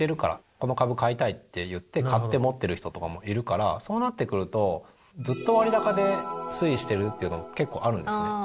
この株買いたいって言って買って持ってる人もいるからそうなってくるとずっと割高で推移してるっていうの結構あるんですね。